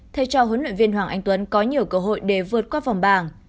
thay cho huấn luyện viên hoàng anh tuấn có nhiều cơ hội để vượt qua vòng bảng